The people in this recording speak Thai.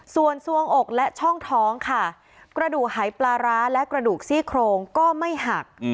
ส่วนส่วงอกและช่องท้องค่ะกระดูกหายปลาร้าและกระดูกซี่โครงก็ไม่หัก